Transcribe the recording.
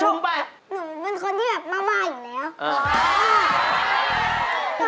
หนูเป็นคนที่แบบม้าอยู่แล้ว